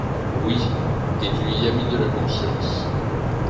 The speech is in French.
Oui ! et tu y a mis de la conscience…